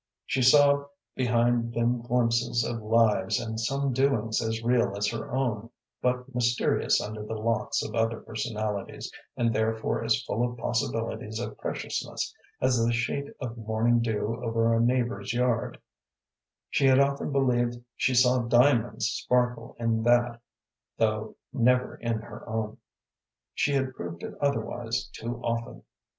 She saw behind them glimpses of lives and some doings as real as her own, but mysterious under the locks of other personalities, and therefore as full of possibilities of preciousness as the sheet of morning dew over a neighbor's yard; she had often believed she saw diamonds sparkle in that, though never in her own. She had proved it otherwise too often.